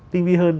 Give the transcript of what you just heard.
tinh vi hơn